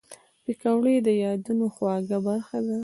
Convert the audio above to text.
پکورې د یادونو خواږه برخه ده